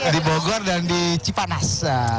di bogor dan di cipanas